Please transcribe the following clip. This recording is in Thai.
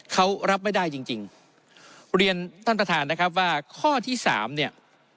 เขารับไม่ได้จริงจริงเรียนท่านประธานนะครับว่าข้อที่สามเนี่ย